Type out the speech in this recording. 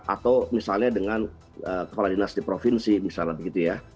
atau misalnya dengan kepala dinas di provinsi misalnya begitu ya